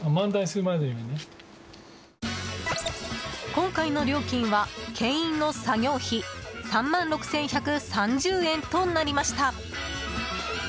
今回の料金は牽引の作業費３万６１３０円となりました。